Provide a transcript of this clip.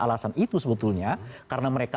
alasan itu sebetulnya karena mereka